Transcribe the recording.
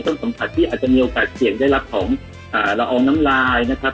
สัมผัสที่อาจจะมีโอกาสเสี่ยงได้รับของละอองน้ำลายนะครับ